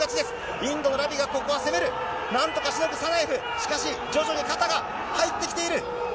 インドのラビがここは攻める、なんとかしのぐサナエフ、しかし、徐々に肩が入ってきている。